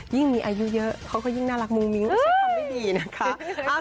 ยิ่งมีอายุเยอะเขาก็ยิ่งน่ารักมุ้งมิ้งใช้คำไม่ดีนะคะ